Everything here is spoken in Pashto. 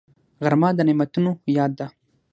غرمه د نعمتونو یاد ده